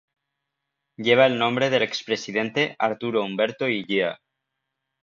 Lleva el nombre del expresidente Arturo Umberto Illia.